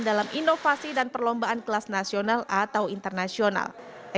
dalam inovasi dan perlombaan kelas nasional atau internasional